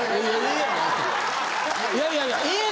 いやいやいや「え」